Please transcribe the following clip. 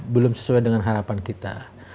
belum sesuai dengan harapan kita